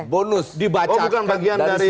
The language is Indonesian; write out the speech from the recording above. bonus dibacakkan dari semua integritas